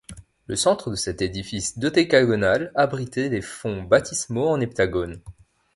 Le centre de cet édifice dodécagonal abritait des fonts baptismaux en heptagone.